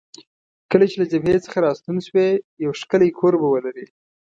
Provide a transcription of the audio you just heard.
کله چې له جبهې څخه راستون شوې، یو ښکلی کور به ولرې.